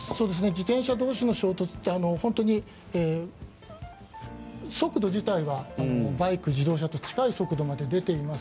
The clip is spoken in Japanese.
自転車同士の衝突って本当に速度自体はバイク、自動車と近い速度まで出ています。